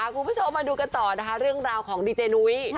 คุณผู้ชมมาดูกันต่อนะคะเรื่องราวของดีเจนุ้ย